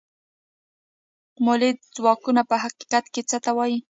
مؤلده ځواکونه په حقیقت کې څه ته وايي؟